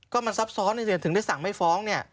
ก็มันซับซ้อนถึงได้สั่งไม่ฟ้องเนี่ย